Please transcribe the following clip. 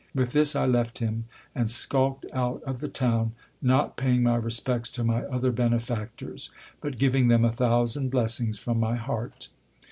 With this I left him, and skulked out of the town, not paying my respects to my other benefactors ; but giving them a thousand blessings from my heart.